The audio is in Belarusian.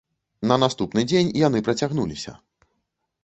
На наступны дзень яны працягнуліся.